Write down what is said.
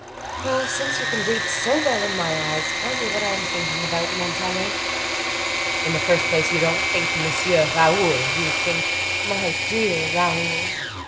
"Well, since you can read so well in my eyes, tell me what I am thinking about, Montalais." "In the first place, you don't think, Monsieur Raoul; you think, My dear Raoul."